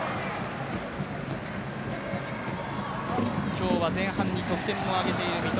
今日は前半に得点を挙げている三笘。